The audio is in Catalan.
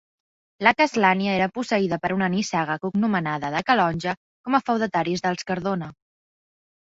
La castlania era posseïda per una nissaga cognomenada de Calonge com a feudataris dels Cardona.